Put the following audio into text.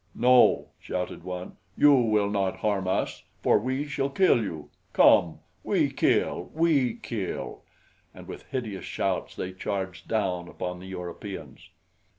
"No," shouted one, "you will not harm us, for we shall kill you. Come! We kill! We kill!" And with hideous shouts they charged down upon the Europeans.